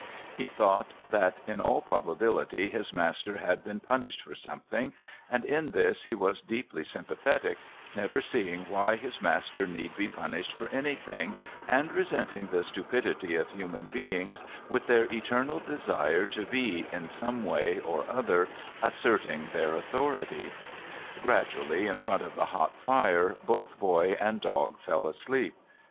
He thought that in all probability his master had been punished for something, and in this he was deeply sympathetic, never seeing why his master need be punished for anything and resenting the stupidity of human beings with their eternal desire to be, in some way or other, asserting their authority. Gradually, in front of the hot fire, both boy and dog fell asleep.